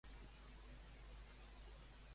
Com és un estranger de Catalunya?